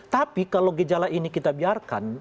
tapi kalau gejala ini kita biarkan